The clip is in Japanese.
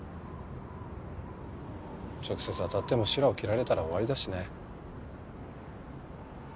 直接当たってもしらを切られたら終わりだしね。